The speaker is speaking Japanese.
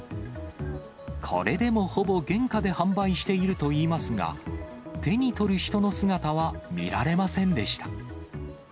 これでもほぼ原価で販売しているといいますが、手に取る人の姿は見られませんでした。